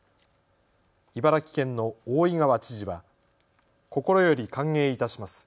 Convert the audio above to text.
茨城県の大井川知事は心より歓迎いたします。